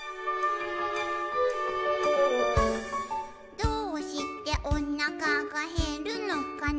「どうしておなかがへるのかな」